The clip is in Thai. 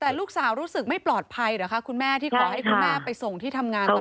แต่ลูกสาวรู้สึกไม่ปลอดภัยเหรอคะคุณแม่ที่ขอให้คุณแม่ไปส่งที่ทำงานต่อ